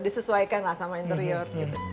disesuaikan lah sama interior